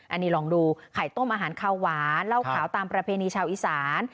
อันนี้ลองดูไข่ต้มอาหารข้าวหวานเหล้าขาวตามประเพณีชาวอีสาน